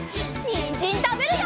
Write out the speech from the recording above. にんじんたべるよ！